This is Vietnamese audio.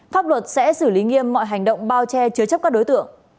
pháp luật sẽ xử lý nghiêm mọi hành động bao che chứa chấp các đối tượng